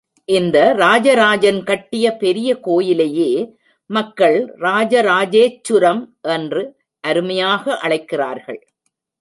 இந்த ராஜராஜன் கட்டிய பெரிய கோயிலையே மக்கள் ராஜராஜேச்சுரம் என்று அருமையாக அழைக்கிறார்கள்.